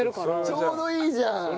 ちょうどいいじゃん！